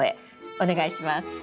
お願いします。